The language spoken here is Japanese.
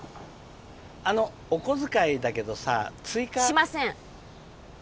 あのお小遣いだけどさ追加しません